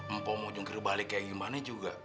empo mau jungkir balik kayak gimana juga